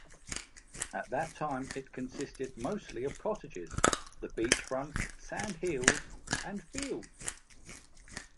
At that time it consisted mostly of cottages, the beach front, sand-hills and fields.